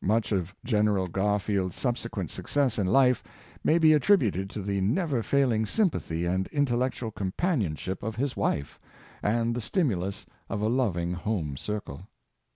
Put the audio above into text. Much of General Garfield's subsequent success in life may be attributed to the never failing sympathy and intellectual companionship of his wile and the stimulus of a loving home circle.